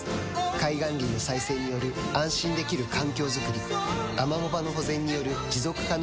海岸林の再生による安心できる環境づくりアマモ場の保全による持続可能な海づくり